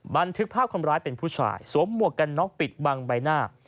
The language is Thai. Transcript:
บันทึกภาพคนร้ายเป็นผู้ชายสวมหมวกกันน็อกปิดบังใบหน้า